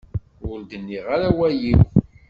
Ur d-nniɣ ara awal-iw.